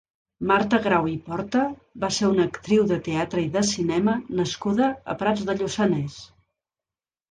Marta Grau i Porta va ser una actriu de teatre i de cinema nascuda a Prats de Lluçanès.